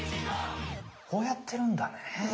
こうやってるんだね。